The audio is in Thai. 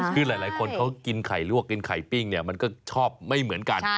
คือหลายคนเขากินไข่ลวกกินไข่ปิ้งเนี่ยมันก็ชอบไม่เหมือนกัน